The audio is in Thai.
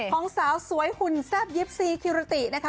ของสาวสวยหุ่นแซ่บยิปซีฮิลละติ